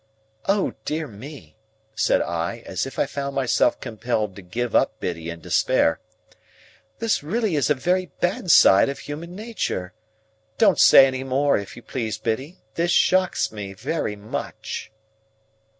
"O dear me!" said I, as if I found myself compelled to give up Biddy in despair. "This really is a very bad side of human nature! Don't say any more, if you please, Biddy. This shocks me very much."